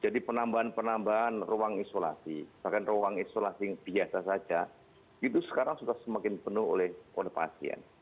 jadi penambahan penambahan ruang isolasi bahkan ruang isolasi yang biasa saja itu sekarang sudah semakin penuh oleh pasien